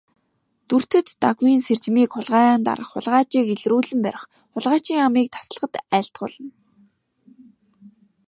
Дүртэд Дагвын сэржмийг хулгайг дарах, хулгайчийг илрүүлэн барих, хулгайчийн амийг таслахад айлтгуулна.